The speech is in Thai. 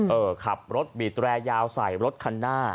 เออขับรถบีดแรยาวใส่รถคันหน้า